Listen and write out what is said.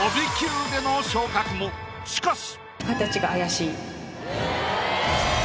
しかし。